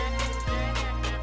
itu masa yang tenteng